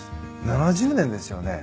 ７０年ですよね？